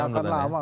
nggak akan lama